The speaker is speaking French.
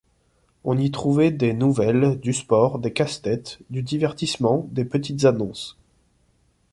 On y trouvait des nouvelles, du sport, des casse-têtes, du divertissement, des petites annonces.